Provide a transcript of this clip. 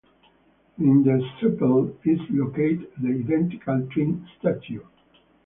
In the Csepel is located the identical twin statue.